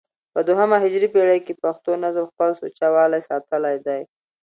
په دوهمه هجري پېړۍ کښي پښتو نظم خپل سوچه والى ساتلى دئ.